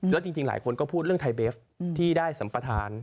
แล้วจริงหลายคนก็พูดเรื่องไทยเบฟที่ได้สัมปทาน